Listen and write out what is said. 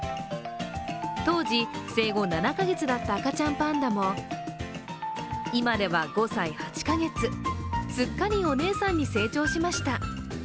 当時、生後７か月だった赤ちゃんパンダも今では５歳８か月、すっかりお姉さんに成長しました。